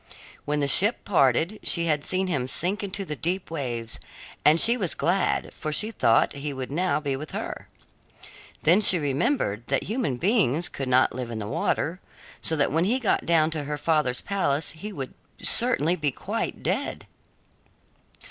When the ship parted, she had seen him sink into the deep waves, and she was glad, for she thought he would now be with her. Then she remembered that human beings could not live in the water, so that when he got down to her father's palace he would certainly be quite dead.